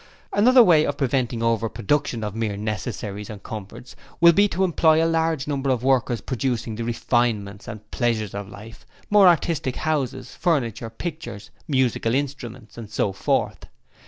'Another way of preventing over production of mere necessaries and comforts will be to employ a large number of workers producing the refinements and pleasures of life, more artistic houses, furniture, pictures, musical instruments and so forth.